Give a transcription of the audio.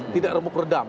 tidak remuk redam